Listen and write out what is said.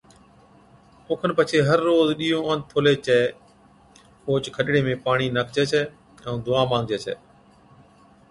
اوکن پڇي ھر روز ڏِيئو آنٿولي چَي اوھچ کڏڙي ۾ پاڻِي ناکجَي ڇَي ائُون دُعا مانگجَي ڇَي